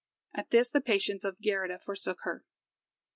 At this the patience of Geirrida forsook her.